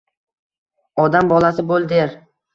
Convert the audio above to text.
Odam bolasi bo’l, der.